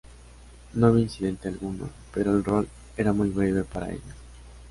No hubo incidente alguno, pero el rol era muy breve para ella.